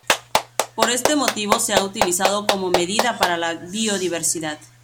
Por este motivo, se ha utilizado como medida para la biodiversidad.